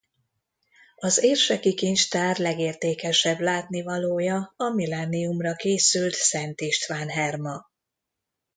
Az érseki kincstár legértékesebb látnivalója a millenniumra készült Szent István-herma.